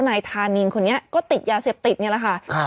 นายธานินคนนี้ก็ติดยาเสพติดนี่แหละค่ะ